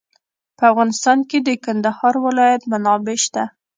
په افغانستان کې د کندهار ولایت منابع شته.